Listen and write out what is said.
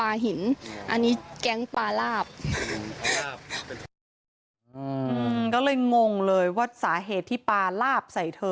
อันนี้แก๊งปลาลาบ